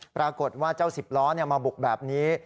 ปรากฏว่าเจ้าสิบล้อมาบุกแบบนี้